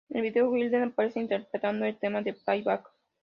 En el video, Wilder aparece interpretando el tema en playback.